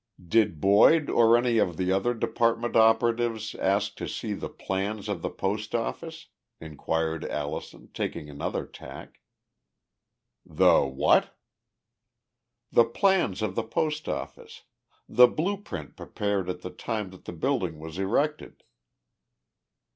"Did Boyd or any of the other department operatives ask to see the plans of the post office?" inquired Allison, taking another tack. "The what?" "The plans of the post office the blue print prepared at the time that the building was erected."